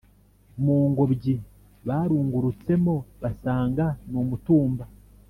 mungobyi barungurutsemo basanga numutumba